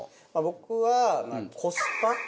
僕はコスパ？